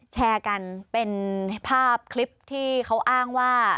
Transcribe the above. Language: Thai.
แชร์กันเป็นภาพคลิปที่เขาอ้างว่า